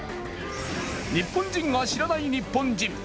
日本人が知らない日本人。